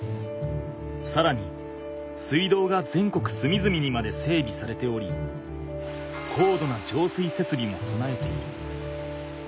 さらに水道が全国すみずみにまで整備されており高度な浄水設備もそなえている。